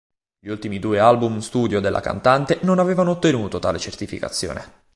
Gli ultimi due album studio della cantante non avevano ottenuto tale certificazione.